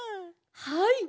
はい。